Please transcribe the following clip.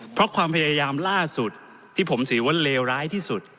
เพราะความพยายามล่าสุดที่ผมถือว่าเลวร้ายที่สุด